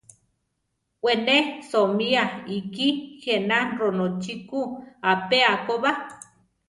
We ne soʼmía ikí je na ronochí kú apéa ko ba.